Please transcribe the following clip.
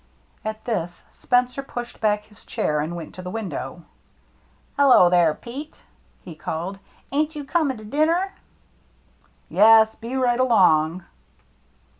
At this Spencer pushed back his chair and went to the window. " Hello, there, Pete," he called. " Ain't you coming to dinner ?"" Yes, be right along."